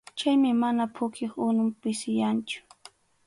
Chaymi mana pukyup unun pisiyanchu.